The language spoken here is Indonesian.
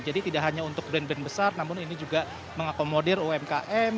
jadi tidak hanya untuk brand brand besar namun ini juga mengakomodir umkm